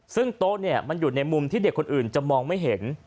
ซึ่งโต๊ะเนี่ยมันอยู่ในมุมที่เด็กคนอื่นจะมองไม่เห็น